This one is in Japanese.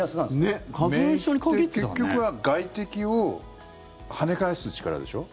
免疫って結局は外敵を跳ね返す力でしょ。